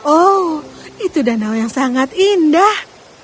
oh itu danau yang sangat indah